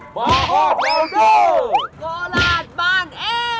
มาพอเต๋าดูโกหลาดบางเอ็ง